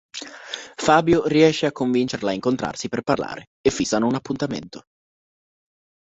Fabio riesce a convincerla a incontrarsi per parlare e fissano un appuntamento.